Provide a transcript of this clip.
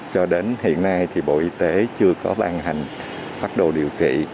cho đến hiện nay thì bộ y tế chưa có bàn hành phát đồ điều trị